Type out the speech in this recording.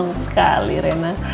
seneng sekali rena